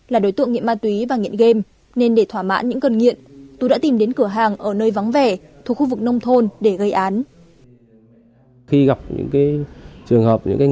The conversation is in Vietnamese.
là đối tượng nghiện ma túy và nghiện game nên để thỏa mãn những cơn nghiện tú đã tìm đến cửa hàng ở nơi vắng vẻ thuộc khu vực nông thôn để gây án